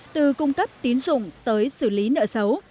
từ cung cấp tín dụng tới xử lý nợ xấu